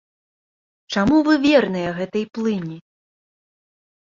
Чаму вы верныя гэтай плыні?